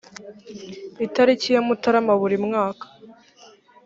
itariki ya mutarama buri mwaka